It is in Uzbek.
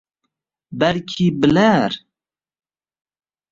Balki bilar…